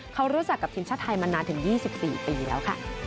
เขารู้จักกับทีมชาติไทยมานานถึง๒๔ปีแล้วค่ะ